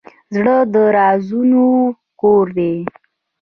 زړه د رازونو کور دی.